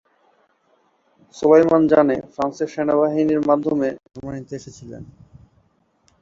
সোলায়মান জানে ফ্রান্সের সেনাবাহিনীর মাধ্যমে জার্মানিতে এসেছিলেন।